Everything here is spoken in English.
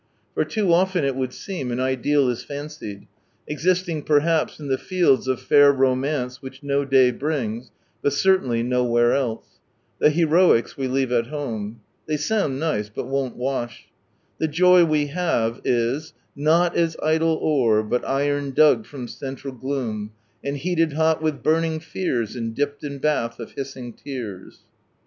For too often, it would seem, an ideal is fancied, existing perhaps in the " Fields of fair romance which no day brings," but certainly nowhere else. The heroics we leave at home. They sound nice, but won't wash. The joy we have, is '' Not as idle ore, bill iron Jiig from cinlral gloom And healed hol with burning fears, and dipped in both of kisiiiig liars."